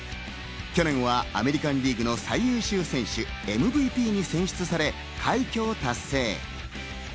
去年はアメリカンリーグの最優秀選手・ＭＶＰに選出され、快挙を達成。